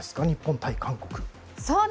日本対韓国。